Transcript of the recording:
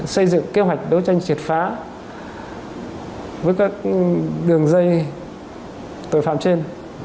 xây dựng kế hoạch đấu tranh triệt phá với các đường dây tội phạm trên